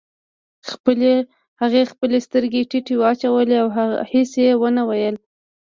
هغې خپلې سترګې ټيټې واچولې او هېڅ يې ونه ويل.